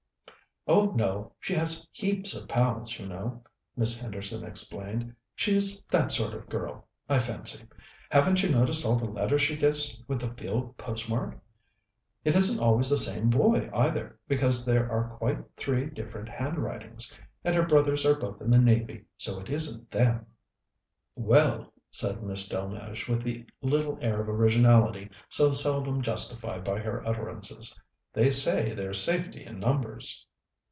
"Oh no. She has heaps of pals, you know," Miss Henderson explained. "She's that sort of girl, I fancy. Haven't you noticed all the letters she gets with the field postmark? It isn't always the same boy, either, because there are quite three different handwritings. And her brothers are both in the Navy, so it isn't them." "Well," said Miss Delmege, with the little air of originality so seldom justified by her utterances, "they say there's safety in numbers."